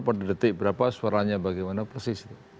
pada detik berapa suaranya bagaimana persis